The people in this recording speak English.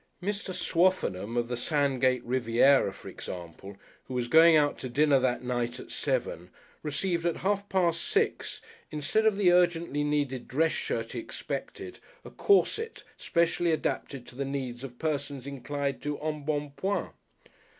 Mr. Swaffenham, of the Sandgate Riviera, for example, who was going out to dinner that night at seven, received at half past six, instead of the urgently needed dress shirt he expected, a corset specially adapted to the needs of persons inclined to embonpoint.